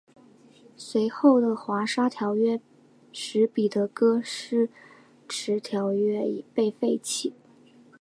随后的华沙条约使彼得戈施迟条约被废弃。